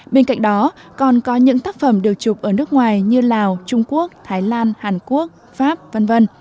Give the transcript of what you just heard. bên cạnh đó còn có những tác phẩm được chụp ở nước ngoài như lào trung quốc thái lan hàn quốc pháp v v